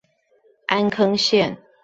安坑線